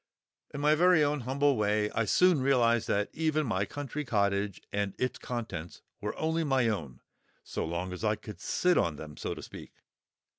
In my own very humble way I soon realised that even my country cottage and its contents were only my own so long as I could sit on them, so to speak.